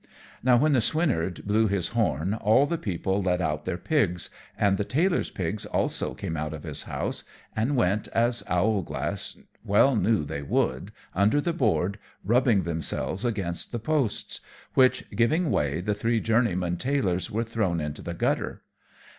Now, when the swineherd blew his horn all the people let out their pigs, and the tailor's pigs also came out of his house, and went, as Owlglass well knew they would, under the board, rubbing themselves against the posts, which, giving way, the three journeymen tailors were thrown into the gutter.